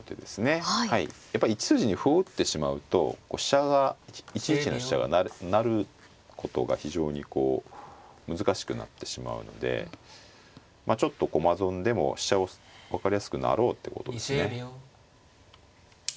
やっぱ１筋に歩を打ってしまうと飛車が１一の飛車が成ることが非常にこう難しくなってしまうのでまあちょっと駒損でも飛車を分かりやすく成ろうってことですね。